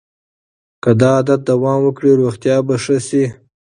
که دا عادت دوام وکړي روغتیا به ښه شي.